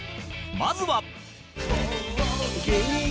まずは